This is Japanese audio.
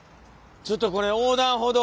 ちょっとこれ横断歩道。